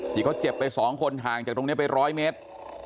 ที่เขาเจ็บไป๒คนห่างจากตรงนี้ไป๑๐๐เมตร